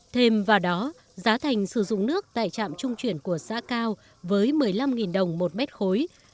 thêm vào đó giá thành sử dụng nước tại trạm trung chuyển của xã cao với một mươi năm đồng một mét khối